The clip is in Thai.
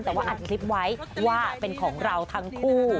แต่ว่าอัดคลิปไว้ว่าเป็นของเราทั้งคู่